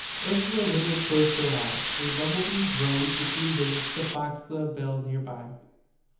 Ursula Winwood closed her eyes. A bumble bee droned between visits to foxglove bells near by.